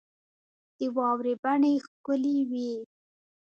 د واورې بڼې ښکلي وې.